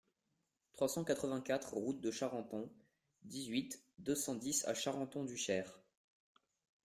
trois cent quatre-vingt-quatre route de Charenton, dix-huit, deux cent dix à Charenton-du-Cher